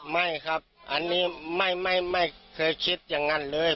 ไม่ครับอันนี้ไม่เคยคิดอย่างนั้นเลย